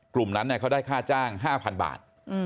กลุ่มนั้นเขาได้ค่าจ้าง๕๐๐๐บาท